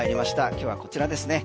今日はこちらですね。